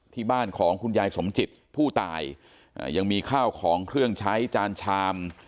ที่บ้านของคุณยายสมจิตผู้ตายยังมีข้าวของเครื่องใช้จานชาม